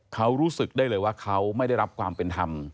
เขารู้สึกได้เลยว่าเขาไม่ได้รับความเป็นธรรม